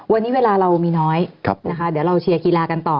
วันนี้เวลาเรามีน้อยนะคะเดี๋ยวเราเชียร์กีฬากันต่อ